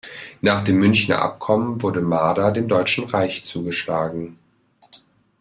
Nach dem Münchner Abkommen wurde Mader dem Deutschen Reich zugeschlagen.